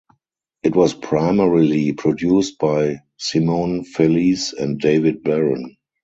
It was primarily produced by Simone Felice and David Baron.